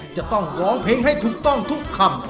จะต้องร้องเพลงให้ถูกต้องทุกคำ